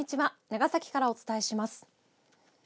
長崎からお伝えします。